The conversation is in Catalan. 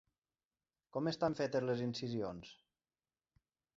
Com estan fetes les incisions?